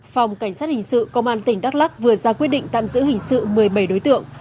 phòng cảnh sát hình sự công an tỉnh đắk lắc vừa ra quyết định tạm giữ hình sự một mươi bảy đối tượng